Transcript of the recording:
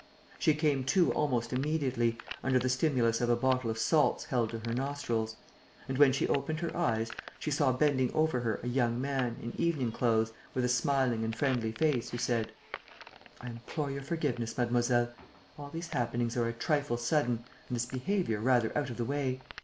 She came to almost immediately, under the stimulus of a bottle of salts held to her nostrils; and, when she opened her eyes, she saw bending over her a young man, in evening clothes, with a smiling and friendly face, who said: "I implore your forgiveness, mademoiselle. All these happenings are a trifle sudden and this behaviour rather out of the way.